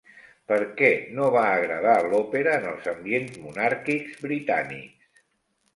Per què no va agradar l'òpera en els ambients monàrquics britànics?